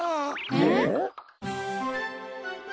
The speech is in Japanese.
えっ？